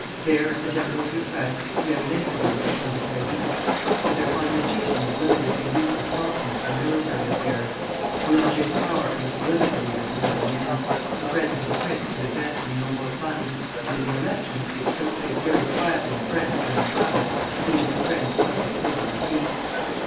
There, at the general's request, he had an interview with the Comte de Paris. But their conversation was limited to useless compliments and military affairs. Boulanger's power as a political leader was at an end; the friends of the prince would advance him no more funds, and in the elections, which took place very quietly in France during the summer, he and his friends suffered total defeat.